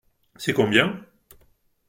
C’est combien ?